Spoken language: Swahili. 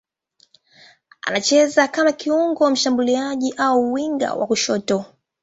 Anacheza kama kiungo mshambuliaji au winga wa kushoto.